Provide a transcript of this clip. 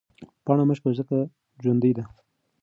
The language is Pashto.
پاڼه مه شکوه ځکه ژوندۍ ده.